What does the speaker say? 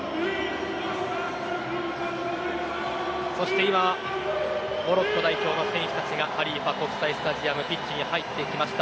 そして今モロッコ代表の選手たちがハリーファ国際スタジアムピッチに入ってきました。